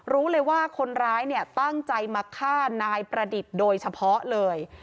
รู้เลยว่าคนร้ายเนี่ยตั้งใจมาฆ่านายประดิษฐ์โดยเฉพาะเลย